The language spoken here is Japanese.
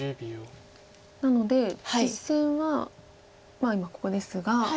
なので実戦はまあ今ここですが。